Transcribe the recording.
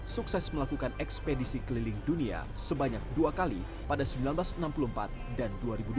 sukses melakukan ekspedisi keliling dunia sebanyak dua kali pada seribu sembilan ratus enam puluh empat dan dua ribu dua